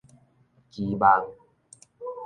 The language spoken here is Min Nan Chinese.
期望